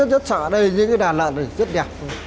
rất sợ đây những cái đàn này rất đẹp